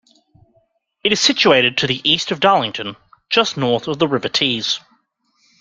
It is situated to the east of Darlington, just north of the River Tees.